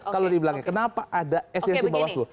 kalau dibilangin kenapa ada esensi mbak waslu